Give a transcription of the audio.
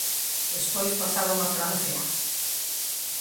Despois pasaron a Francia.